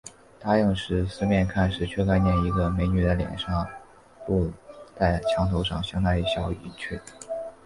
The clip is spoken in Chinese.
答应着，四面看时，却见一个美女的脸露在墙头上，向他一笑，隐去了